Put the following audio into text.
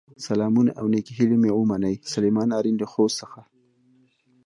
سلامونه او نیکې هیلې مې ومنئ، سليمان آرین له خوست څخه